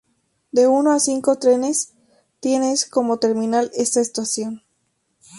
De uno a cinco trenes tienes como terminal esta estación.